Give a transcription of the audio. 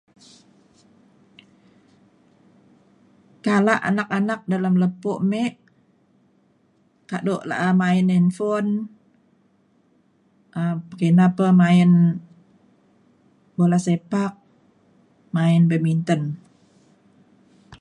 kala anak anak dalem lepo me kado la’a main handphone um pekina pa main bola sepak main badminton